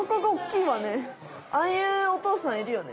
ああいうおとうさんいるよね。